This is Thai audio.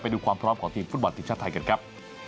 ดูความพร้อมของทีมฟุตบอลทีมชาติไทยกันครับ